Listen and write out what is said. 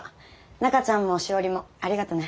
中ちゃんも詩織もありがとね。